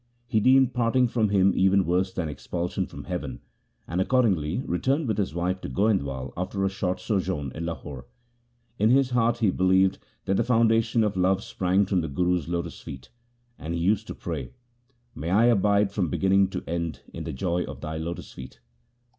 He deemed parting from him even worse than expulsion from heaven, and accordingly returned with his wife to Goindwal after a short sojourn in Lahore. In his heart he believed that the foundation of love sprang from the Guru's lotus feet, and he used to pray :— May I abide from beginning to end in the joy of Thy lotus feet